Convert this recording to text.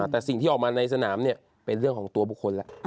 แต่สิ่งที่ออกมาในสนามเป็นเรื่องของตัวบุคคลแล้ว